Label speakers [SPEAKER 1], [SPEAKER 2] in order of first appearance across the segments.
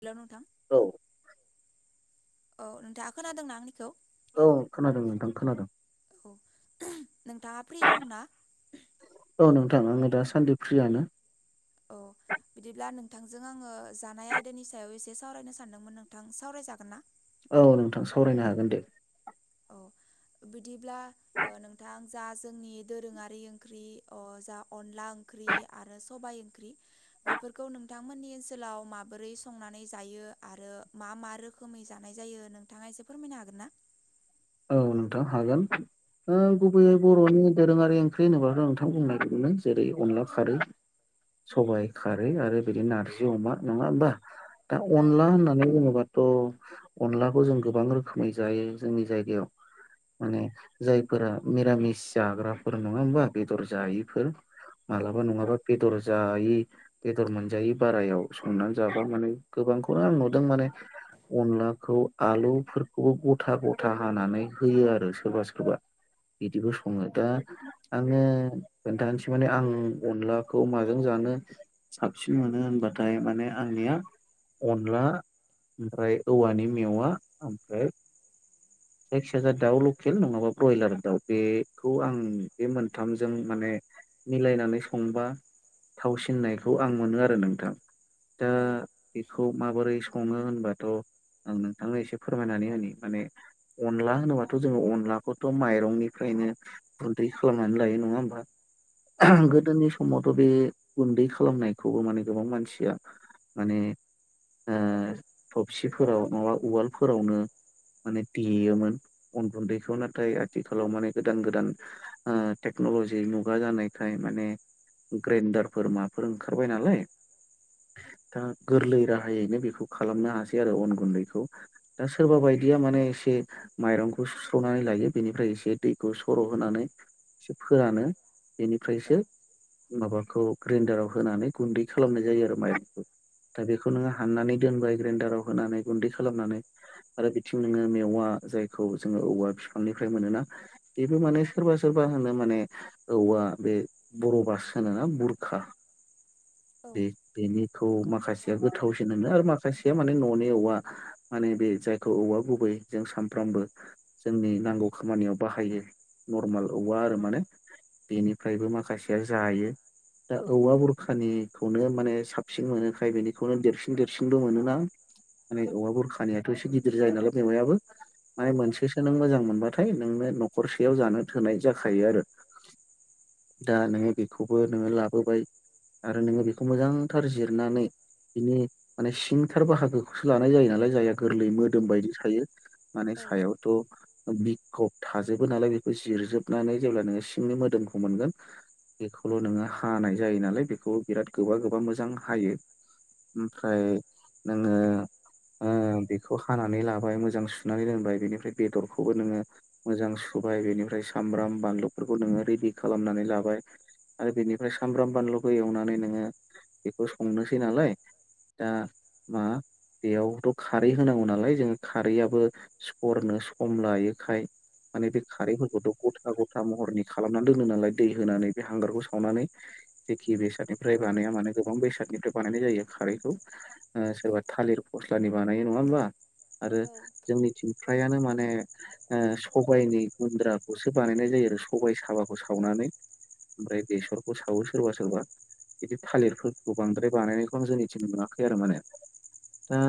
[SPEAKER 1] Hello नोंथां
[SPEAKER 2] औ
[SPEAKER 1] औ नोंथां खोनादोंना आंनिखौ?
[SPEAKER 2] औ खोनादों नोंथां खोनादों।
[SPEAKER 1] औ नोंथाङा फ्रि दंना?
[SPEAKER 2] औ नोंथां आंङो दा सान्दि फ्रियानो।
[SPEAKER 1] औ बिदिब्ला नोंथांजों आंङो जानाय आयदानि सायाव एसे साव सावरायनो सानदोंमोन नोंथां सावरायजागोन ना?
[SPEAKER 2] औ नोंथां सावरायनो हागोन दे।
[SPEAKER 1] औ बिदिब्ला नोंथां जा जोंनि दोरोङारि ओंख्रि अ जा अन अनला ओंख्रि आरो। सबाय ओंख्रि बेफोरखौ नोंथांमोननि ओनसोलाव माबोरै संनानै जायो आरो मा मा मा रोखोमै जानाय जायो नोंथाङा एसे फोरमायनो हागोन ना?
[SPEAKER 2] औ नोंथां हागोन। ओ
[SPEAKER 1] औ
[SPEAKER 2] गुबैयै बरनि दोरोङारि ओंख्रि होनोब्लाथ नोंथां बुंनाय बायदिनो जेरै अनला खारै। सबाय खारै आरो बिदिनो नारजि अमा नङा होमबा? दा
[SPEAKER 1] औ
[SPEAKER 2] अनला होननानै बुङोबाथ अनलाखौ जों गोबां रोखोमै जायो जोंनि जायगा। गायाव। माने जायफोरा मिरामिस जाग्राफोर नङा होमबा बेदर जायिफोर।
[SPEAKER 1] औ
[SPEAKER 2] मालाबा नङाबा बेदर जायि बेदर मोनजायै बारायाव संनानै जाबा माने गोबांखौनो आं नुदों माने। अनलाखौ आलुफोरखौबो गथा गथा। हानानै होयो आरो सोरबा सोरबा। बिदिबो संङो दा आंङो खोन्थानोसै माने आं अनलाखौ माजों जानो साबसिन मोनो होनबाथाय माने आंनिया अनला ओमफ्राय औवानि मेवा ओमफ्राय जायखिया जाया दाउ लकेल नङाबा ब्रयलार दाउ बेखौ आं बे मोनथामजों माने मिलायनानै संबा थावसिननायखौ आं मोनो आरो नोंथां। दा बेखौ माबोरै। संङो होनबाथ आं नोंथांनो एसे फोरमायनानै होनि माने। अनला होनोबाथ जोंङो अनलाखौथ माइरंनिफ्रायनो गुन्दै खालामनानै लायो नङा होमबा?
[SPEAKER 1] औ
[SPEAKER 2] गोदोनि समावथ बे। गुन्दै खालामनायखौबो माने गोबां मानसिया माने। थबसिफोराव माबा उवालफोरावनो माने। देयोमोन अन गुन्दैखौ नाथाय आथिखालाव माने गोदान गोदान टेकनलजि। मुगा जानायखाय माने ग्राइन्दारफोर माबाफोर ओंखारबाय नालाय। दा गोरलै राहायैनो बेखौ खालामनो हासै आरो अन गुन्दैखौ दा सोरबा बायदि। बायदिया माने एसे माइरंखौ सुस्रनानै लायो बेनिफ्राय एसे दैखौ सर होनानै। एसे फोरानो बेनिफ्रायसो
[SPEAKER 1] औ
[SPEAKER 2] माबा। खौ ग्रेन्दाराव होनानै गुन्दै खालामनाय जायो आरो माइरंखौ दा बेखौ नोङो हाननानै दोनबाय ग्रेनडाराव होनानै गुन्दै खालामनानै आरो बिथिं नोङो मेवा जाय जो औवा बिफांनिफ्राय मोनोना बेबो माने सोरबा सोरबा होनो माने औवा बे बर' भाष होनो ना बुरखा बे
[SPEAKER 1] औ
[SPEAKER 2] बेनि खौ माखासेया गोथावसिन मोनो आरो माखासेया माने न'नि औवा माने बे जायखौ औवा गुबै जों सानफ्रामबो जोंनि नांगौ खामानियाव बाहायो नरमेल औवा आरो माने बेनिफ्रायबो माखासेया जायो दा औवा बुरखानि खौनो माने साबसिन मोनोखाय बेनिखौनो देरसिन देरसिनबो मोनोना माने औवा बुरखानियाथ' एसे गिदिर जायो नालाय मेवायाबो माने
[SPEAKER 1] औ
[SPEAKER 2] मोनसेसो नों मोजां मोन नाथाय नोंनो न'खरसेयाव जानो थोनाय जाखायो आरो दा नोङो बेखौबो नोङो लाबोबाय आरो नोङो बेखौ मोजांथार जिरनानै बिनि माने सिंथार बाहागोखौसो लानाय जायो नालाय जायहा गोरलै मोदोम बायदि थायो माने सायावथ' बिखब थाजोबो नालाय बेखौ जिरजोबनानै जेब्ला नोङो सिंनि मोदोमखौ मोनगोन बेखौल' नोङो हानाय जायो नालाय बेखौ बिराद गोबा गोबा मोजां हायो ओमफ्राय नोङो ओ बेखौ हानानै लाबाय मोजां सुनानै दोनबाय बेनिफ्राय बेदरखौबो नोङो मोजां सु होबाय बेनिफ्राय सामब्राम बानलुफोरखौ नोङो रेडि खालामनानै लाबाय आरो बेनिफ्राय सामब्राम बानलुखौ एवनानै नोङो बेखौ संनोसै नालाय दा मा बेयावथ' खारै होनांगौ नालाय जोंङो खारैआबो सरनो सम लायोखाय माने बे खारैफोरखौथ' गथा गथा महरनि खालामनानै दोनो नालाय दै होनानै बे हांगारखौ सावनानै जेखि बेसाद ओमफ्राय बानाया माने गोबां बेसादनिफ्राय बानायनाय जायो खारैखौ ओ सोरबा थालिर फस्लानि बानाय नङा होमबाआरो जोंनि थिं फ्रायानो माने सबबायनि गुन्द्राखौसो बानायनाय जायो आरो सबायाइ साबाखौ सावनानै ओमफ्राय बेसरखौ सावो सोरबा सोरबा बिदि थालिरफोरखौ बांद्राय बानायनायखौ जोंनिथिन नुवाखै आरो माने दा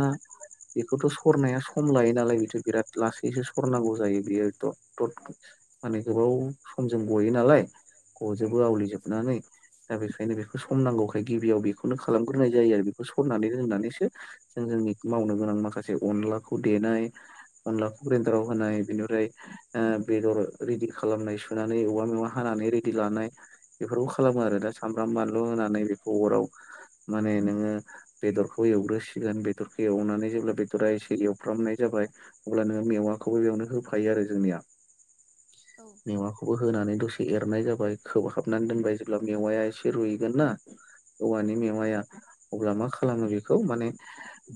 [SPEAKER 2] बेखौथ' सरनाया सम लायो नालाय बिथ' बिराद लासैसो सरनांगौ जायो बियो दद द माने गोबाव समजों गयो नालाय गजोबो आवलिजोबनानै दा बे बेखायनो बेखौ सम नांगौखाय गिबियाव बेखौनो खालामग्रोनाय जायो आरो बेखौ सरनानै रोंनानैसो जों जोंनि म मावनो गोनां माखासे अनखौ देनाय अनलाखौ ग्रेन्दाराव होनाय बेनिफ्राय बेदर रेदि खालामनाय सुनानै औवा मेवा हा रिदि लानाय बेफोरखौ खालामो आरो दा सामब्राम बानलु होनानै बेखौ अराव माने नोङो बेदरखौ एवग्रोसिगोन बेदरखौ एवनानै जेब्ला बेदरा एसे एवफ्रामनाय जाबाय अब्ला नोङो मेवाखौबो बेयावनो होफायो आरो जोंनिया
[SPEAKER 1] [inaudible]
[SPEAKER 2] मेवाखौबो होनानै दसे एरनाय जाबाय खोबहाबनानै दोनबाय जेब्ला मेवाया एसे रुइगोन ना औवानि मेवाया अब्ला मा खालामो बेखौ माने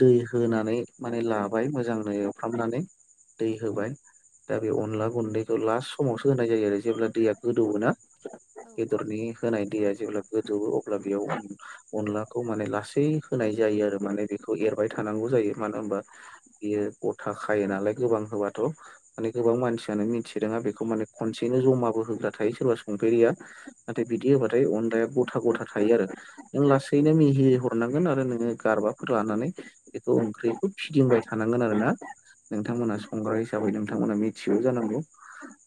[SPEAKER 2] दै होनानै माने ला खाबाय मोजांनो एवफ्रामनानै। दै होबाय दा बे अनला गुन्दैखौ लास्ट समावसो होनाय जायो आरो जेब्ला दैया गोदौयोना। बेदरनि होनाय दैया जेब्ला गोदौ अब्ला बेयाव अनलाखौ माने लासै होनाय जायो आरो माने बेखौ एरबाय थायो। होनांगौ जायो मानो होमबा बियो गथा खायो नालाय गोबां होबाथ' मान गोबां मानसियानो मिथि रोंङा बेखौफ माने खनसेयैनो जमाबो होग्रा थायो सोरबा संफेरिया नाथाय बिदि होबाथाय अन लाया गथा गथा थायो आरो नों लासैनो मिहि हरनांगोन आरो नोङो गारबाफोर लानानै बेखौ ओंख्रिखौ फिदिंबाय थानांगोन आरो ना नोंथांमोना संग्रा हिसाबै नों बिथांमोना मिथियौ जानांगौ।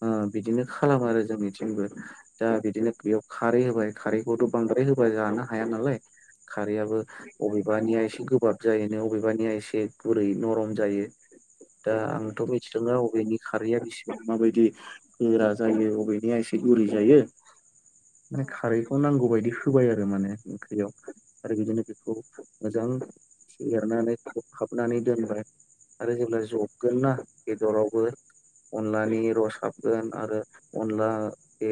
[SPEAKER 2] ओ बिदिनो खालामो आरो जोंनिथिंबो दा बिदिनो बेयाव खारै होबाय। खारैखौथ' बांद्राय होबा जानो हाया नालाय। खारैआाबो अबेबानिया एसे गोबाब जायोनो अबेबानिया एसे गुरै नरम जायो। दा आंथ' मिथिद रोंङा अबेनि खारैया बेसिबां माबायदि गोरा जायो अबेनिया एसे गुरै जायो माने खारै नांगौ बायदि होबाय आरो माने ओंख्रियाव आरो बिदिनो बेखौ मोजां एनानै खखाबनानै दोनबाय आरो जेब्ला जबगोन नना बेदरावबो अनलानि रस हाबगोन आरो अनला बे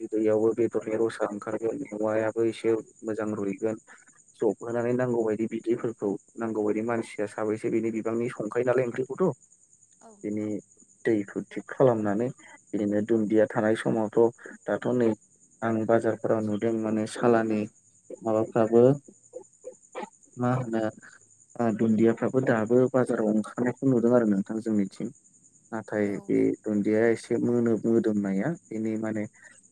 [SPEAKER 2] बिदैयावबो बेदरनि रसा ओंखारगोन औवायाबो एसे मोजां रुइगोन। जब होनानै नांगौ बायदि बिदैफोरखौ नांगौ बायदि मानसिया साबैसे बिनि बिबांनि संखायो नालाय ओंख्रिखौथ'। दिनि दैखौ थिग खालामनानै बिदिनो दुन्दिया थानाय समावथ' दाथ' नै आं बाजारफोराव नुदों माने सालानि माबाफ्राबो म होनो दुन्दियाफ्राबो दाबो बाजाराव ओंखारनायखौ नुदों आरो नोंथां जोंनिथिं। नाथाय बे दुन्दिया एसे मोनोब मोदोमनाया बेनि माने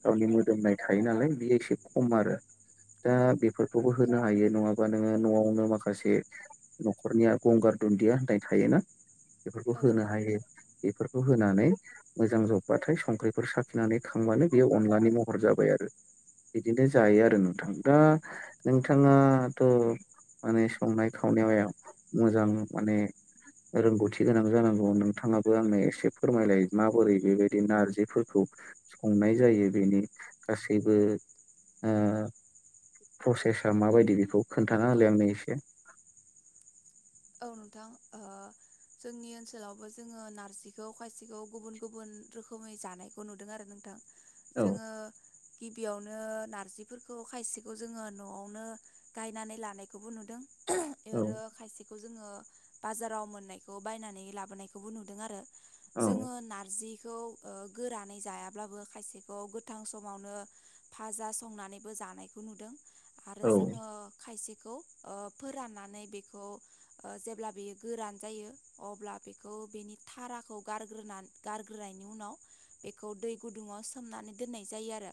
[SPEAKER 2] गावनि मोदोमनाय थायो नालाय बेयो एसे खम आरो। दा बेफोरखौबो होनो हायो नङाबा नोङो न'आवनो माखासे न'खरनिया गंगार दुन्दिया होननाय थायोना बेफोरखौ होनो हायो। बेफोरखौ होनानै मोजां जब्बाथाय संख्रिफोर साखिनानै खांबानो बेयो अनलानि महर जाबाय आरो। बिदिनो जायो आरो नोंथां दा नोंथाङा थ' माने संनाय खावनायाव मोजां माने रोंगौथि गोनां जानांगौ नोंथाङाबो आंनो एसे फोरमायलाय माबोरै बेबायदि नारजिफोरखौ संनाय जायो बेनि गासैबो प्रसेसा माबायदि बेखौ खोन्थाना होलै आंनो एसे।
[SPEAKER 1] औ नोंथां ओ जोंनि ओनसोलावबो जोङो नारजिखौ खायसेखौ गुबुन गुबुन रोखोमै जानायखौ नुदों आरो नोंथां।
[SPEAKER 2] औ
[SPEAKER 1] जोङो गिबियावनो नारजिफोरखौ खायसेखौ जोङो न'आवनो गायनानै लानायखौबो नुदों। इ
[SPEAKER 2] औ
[SPEAKER 1] आरो खायसे जोङो बाजाराव मोननायखौ बायनानै लाबोनायखौबो नुदों आरो।
[SPEAKER 2] औ
[SPEAKER 1] जोङो नारजि खौ गोरानै जायाब्लाबो खायसेखौ गोथां समावनो फाजा संनानैबो जा नायखौ नुदों आरो
[SPEAKER 2] औ
[SPEAKER 1] जोङो खायसेखौ ओ फोराननानै बेखौ ओ जेब्ला बेयो गोरान जायो अब्ला बेखौ बेनि थाराखौ गारग्रोना गार हारग्रोनायनि उनाव बेखौ दै गुदुङाव सोमनानै दोननाय जायो आरो।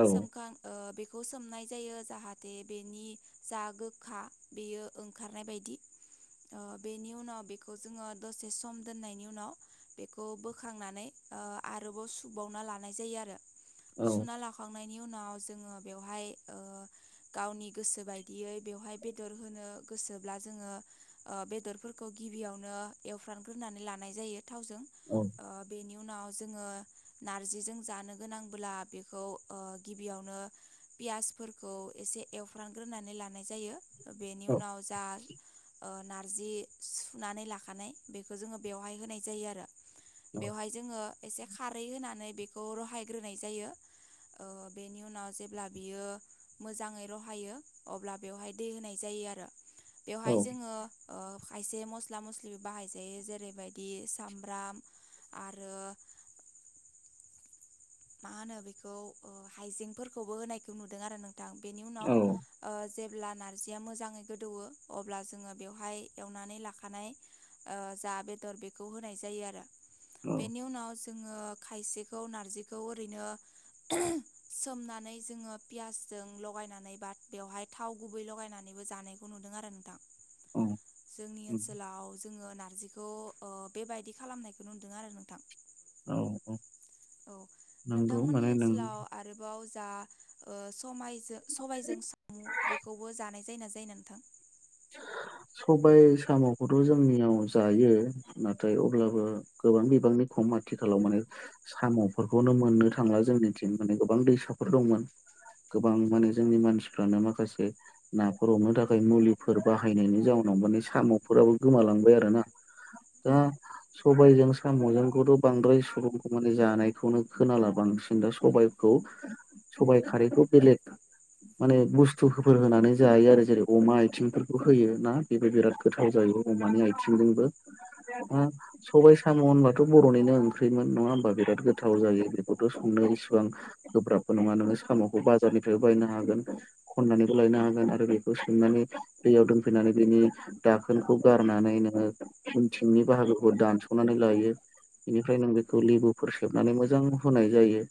[SPEAKER 2] औ
[SPEAKER 1] सोमखां ओ बेख खौ सोमनाय जायो जाहाथे बेनि जा गोखा बेयो ओंखारनाय बायदि। [inaudible] ओ बेनि उनाव बेखौ जोङो दसे सम दोननायनि उनाव बेखौ बोखांनानै ओ आरोबाव सुबावना लानाय जायो आरो
[SPEAKER 2] औ
[SPEAKER 1] सु ला नायनि उनाव जोङो बेहाय गावनि गोसो बायदियै बेहाय बेदर होनो गोसोब्ला जोङो बेदरफोरखौ गिबियावनो एवफ्रानग्रोनानै लानाय जायो थावजों
[SPEAKER 2] औ
[SPEAKER 1] ओ बिनि उनाव जोङो नारजिजों जानो गोनांब्ला बेखौ गिबियावनो पियासफोरखौ एसे एवफ्रानग्रोनानै लानाय जायो बेनि
[SPEAKER 2] औ
[SPEAKER 1] उनाव जा नार्जि सुनानै लाखानाय बेखौ जोङो बेवहाय होनाय जायो आरो बेवहाय जोङो एसे खारै होनानै बेखौ रहायग्रोनाय जायो ओ बेनि उनाव जेब्ला बियो मोजाङै रहायो अब्ला बेवहाय दै होनाय जायो। यो आर' बेवहाय जोङो अ खायसे मस्ला मस्लिबो बाहायजायो जेरैबायदि सामब्राम आरो मा होनो बेखौ ओ हाइजेंफोरखौबो होनायखौ नुदों आरो नों थां बेनि उनाव आ जेब्ला ना रजिया मोजाङै गोदौवो अब्ला जोङो बेयावहाय एवनानै लाखानाय आ जा बेदर बेखौ होनाय जायो आरो बेनि उनाव जोङो खायसेखौ नार्जि खौ ओरैनो सोमनानै जोङो पियासजों लगायनानै बा बेवहाय थाव गुबै लगायनानै बो जानायखौ नुदों आरो नोंथां
[SPEAKER 2] औ
[SPEAKER 1] जोंनि ओनसोलाव जोङो नार्जिखौ ओ बेबायदि खालामनायखौ नु दों आरो नोंथां
[SPEAKER 2] औ औ
[SPEAKER 1] औ
[SPEAKER 2] नंगौ
[SPEAKER 1] नोंथांमोननि
[SPEAKER 2] माने नों
[SPEAKER 1] ओनसोलाव आरोबाव जा ओ समायजो सबाइजों सामु बेखौबो जानाय जायो ना जायो नोंथां [inaudible]
[SPEAKER 2] सबाइ साम'खौथ' जोंनियाव जायो नाथाय अब्लाबो गोबां बिबांनि खम आथिखालाव माने साम'फोरखौनो मोननो थांला जोंनिथिं माने गोबां दैसाफोर दंमोन। गोबां माने जोंनि मानसिफ्रानो माखासे नाफोर हमनो थाखाय मुलि फोर बाहायनायनि जाउनाव माने साम'फोराबो गोमालांबाय आरोना
[SPEAKER 1] औ
[SPEAKER 2] दा सब बाइजों साम'जोंखौथ' बांद्राय सुबुंखौ माने जानायखौनो खोनाला बांसिन दा सबाइखौ सबाइ खारैखौ बेलेग माने बुस्थुफोर होनानै जायो आरो जेरै अमा आथिंफोरखौ होयो ना बेबो बिराद गोथाव जायो अमानि आइथिंजोंबो ओ
[SPEAKER 1] औ
[SPEAKER 2] सबाइ साम' होनबाथ' बर'निनो ओंख्रिमोन नङा होमबा बिराद गोथाव जायो बेखौथ' संनो इसिबां गोब्राब नङा नोङो साम'खौ बाजारनिफ्रायबो बायनो हागोन खन्नानैबो लायनो हागोन आरो बेखौ सोमनानै दैयाव दोनफैनानै बिनि दाखोनखौ गारनानै नोङो उनथिंनि बाहागोखौ दानस'नानै लायो बेनिफ्राय नों बेखौ लिबुफोर सेबनानै मोजां होनाय जायो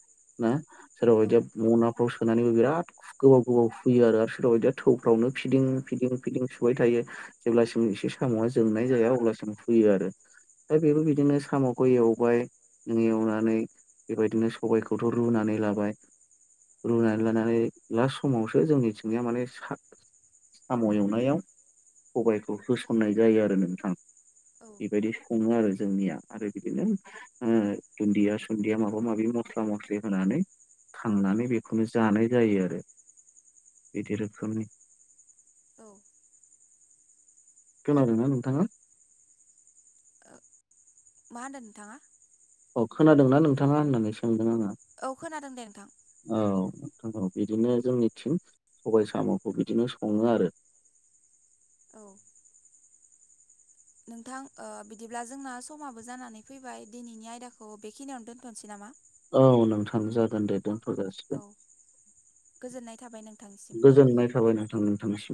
[SPEAKER 2] ना सोरबा
[SPEAKER 1] औ
[SPEAKER 2] बायदिया मनाफ्राव सोनानैबो बिराद गोबाव गोबाव हुयो आरो सोरबा बायदिया थौफ्रावनो फिदिं फिदिं फिदिं सुबाय थायो जेब्लासिम एसे साम'आ जोंनाय जाया अब्लासिम हुयो आरो दा बेबो बिदिनो साम'खौ एवबाय नों एवनानै बेबायदिनो सबायखौथ' रुनानै लाबाय रुनानै लानानै लास्ट समावसो जोंनिथिंनायया माने साग साम' एवनायाव सबाइखौ होसननाय जायो आरो नोंथां
[SPEAKER 1] औ
[SPEAKER 2] बेबायदि सङो आरो जोंनिया आरो बिदिनो ओ दुन्दिया सुन्दिया माबा माबि मस्ला मस्लि होनानै थांनानै बेखौनो जानाय जायो आरो बिदि रोखोमनि
[SPEAKER 1] औ
[SPEAKER 2] खोनादो नोंथाङा
[SPEAKER 1] ओ मा होनदो नोंथाङा
[SPEAKER 2] अ खोनादों ना नोंथाङा होननानै सोंदों आङो
[SPEAKER 1] औ खोनादों दे नोंथां
[SPEAKER 2] थां औ बिदिनो जोंनिथिं सबाइ साम'खौ बिदिनो सङो आरो
[SPEAKER 1] औ नोंथां ओ बिदिब्ला जोंना समाबो जानानै फैबाय दिनैनि आयदाखौ बेखिनियावनो दोनथ'सै नामा?
[SPEAKER 2] औ नोंथां जागोन दे। दोनथ'
[SPEAKER 1] औ
[SPEAKER 2] जासिगोन
[SPEAKER 1] गोजोननाय थाबाय नोंथांनिसिम।
[SPEAKER 2] गोजोननाय थाबाय नोंथां नोंथांनिसिम